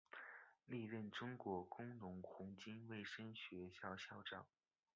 历任中国工农红军卫生学校校长。